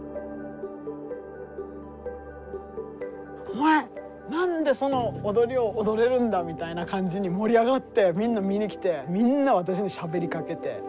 「お前何でその踊りを踊れるんだ？」みたいな感じに盛り上がってみんな見に来てみんな私にしゃべりかけて。